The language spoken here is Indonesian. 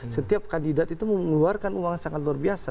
setiap kandidat itu mengeluarkan uang yang sangat luar biasa